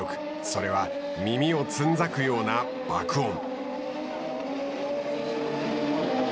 それは耳をつんざくような爆音。